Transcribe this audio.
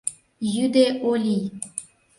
Йӱде о лий